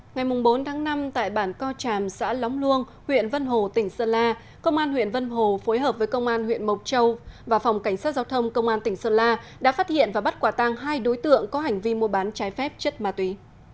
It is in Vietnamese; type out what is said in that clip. ngày bốn tháng năm tại bản co tràm xã lóng luông huyện vân hồ tỉnh sơn la công an huyện vân hồ phối hợp với công an huyện mộc châu và phòng cảnh sát giao thông công an tỉnh sơn la đã phát hiện và bắt quả tăng hai đối tượng có hành vi mua bán trái phép chất ma túy